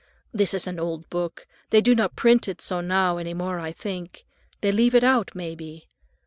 This is an old book. They do not print it so now any more, I think. They leave it out, may be.